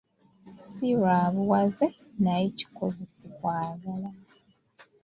Si lwa buwaze naye kikozese kwagala.